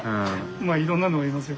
まあいろんなのがいますよ。